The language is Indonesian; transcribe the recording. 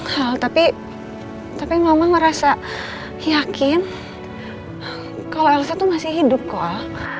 hal tapi tapi mama merasa yakin kalau elsa tuh masih hidup koal